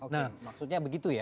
maksudnya begitu ya